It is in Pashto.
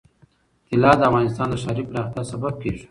طلا د افغانستان د ښاري پراختیا سبب کېږي.